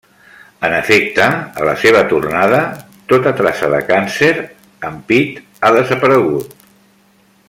En efecte, a la seva tornada, tota traça de càncer en Pete ha desaparegut.